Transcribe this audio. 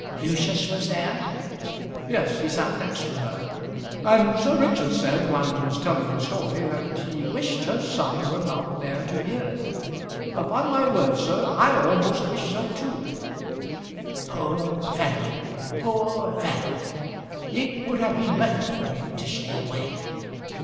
"Lucius was there?" "Yes; he sat next to her. And Sir Richard said, while he was telling the story, that he wished her son were not there to hear it. Upon my word, sir, I almost wished so too." "Poor fellow, poor fellow! It would have been better for him to stay away."